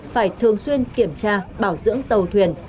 phải thường xuyên kiểm tra bảo dưỡng tàu thuyền